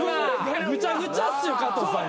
ぐちゃぐちゃっすよ加藤さん